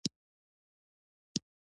دوی یو بل ته درناوی کوي.